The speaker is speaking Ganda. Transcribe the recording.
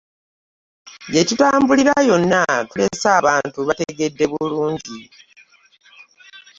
Gye tutambulira yonna tulese abantu bategede bulungi.